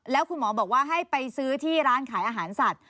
แล้วคุณหมอบอกว่าให้ไปซื้อที่ร้านขายอาหารสัตว